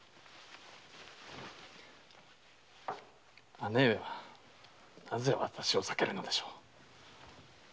姉上はなぜわたしを避けるのでしょう。